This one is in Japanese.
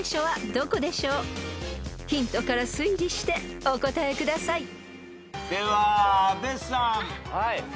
はい。